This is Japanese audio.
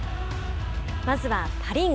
まずはパ・リーグ。